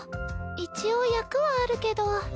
一応役はあるけど。